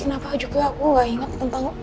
kenapa juga aku gak ingat tentang